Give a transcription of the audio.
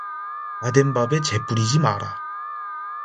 다 된 밥에 재 뿌리지 마라